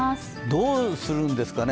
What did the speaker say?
どうするんですかね